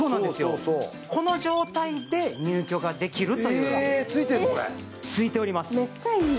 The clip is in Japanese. この状態で入居ができるという、ついております。